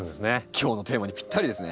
今日のテーマにぴったりですね。